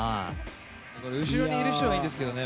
後ろにいる人はいいんですけどね